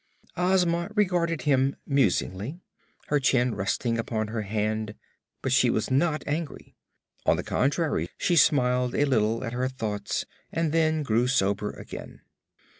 Ozma regarded him musingly, her chin resting upon her hand; but she was not angry. On the contrary she smiled a little at her thoughts and then grew sober again.